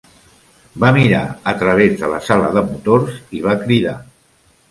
Va mirar a través de la sala de motors i va cridar.